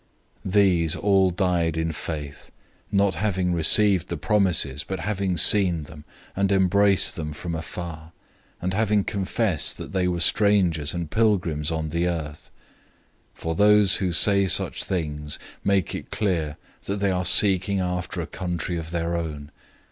011:013 These all died in faith, not having received the promises, but having seen{TR adds "and being convinced of"} them and embraced them from afar, and having confessed that they were strangers and pilgrims on the earth. 011:014 For those who say such things make it clear that they are seeking a country of their own.